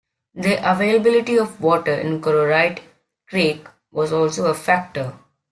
The availability of water in Kororoit Creek was also a factor.